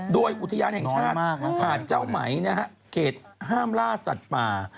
โดยอุทยานแห่งชาติหาดเจ้าไหมนะฮะเขตห้ามล่าสัตว์ป่า